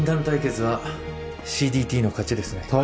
対決はＣＤＴの勝ちですね。